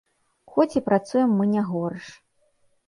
Хоць і працуем мы не горш.